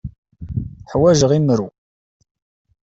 Ḥwajeɣ imru.